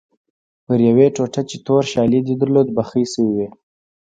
پر یوې ټوټه چې تور شالید یې درلود بخۍ شوې وې.